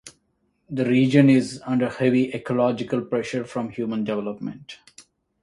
The region is under heavy ecological pressure from human development.